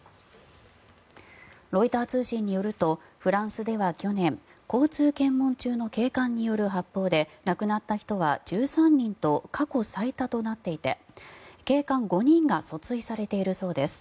ロイター通信によるとフランスでは去年交通検問中の警官による発砲で亡くなった人は１３人と過去最多となっていて警官５人が訴追されているそうです。